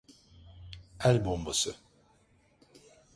El bombası!